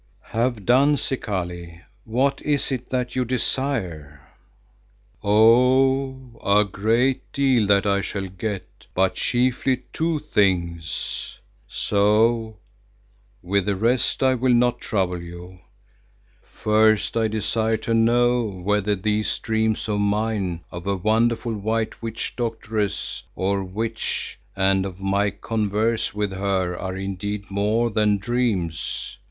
"Have done, Zikali. What is it that you desire?" "Oh! a great deal that I shall get, but chiefly two things, so with the rest I will not trouble you. First I desire to know whether these dreams of mine of a wonderful white witch doctoress, or witch, and of my converse with her are indeed more than dreams.